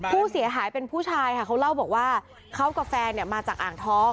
ผู้เสียหายเป็นผู้ชายค่ะเขาเล่าบอกว่าเขากับแฟนเนี่ยมาจากอ่างท้อง